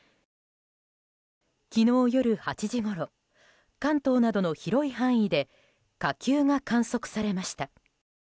昨日夜８時ごろ関東などの広い範囲で火球が観測されました。